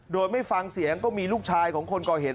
โดยไม่ฟังเสียงก็มีลูกชายของคนก่อเหตุ